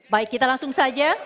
baik kita langsung saja